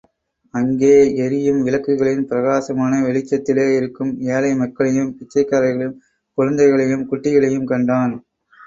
அங்கே எரியும் விளக்குகளின் பிரகாசமான வெளிச்சத்திலே இருக்கும் ஏழை மக்களையும், பிச்சைக்காரர்களையும் குழந்தைகளையும் குட்டிகளையும் கண்டான்.